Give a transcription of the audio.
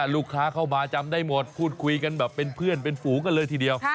ลูกค้าเข้ามาจำได้หมดพูดคุยกันแบบเป็นเพื่อนเป็นฝูงกันเลยทีเดียว